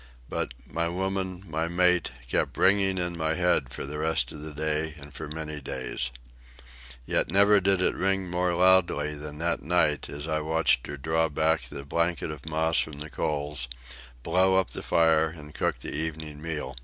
But "my woman, my mate" kept ringing in my head for the rest of the day and for many days. Yet never did it ring more loudly than that night, as I watched her draw back the blanket of moss from the coals, blow up the fire, and cook the evening meal.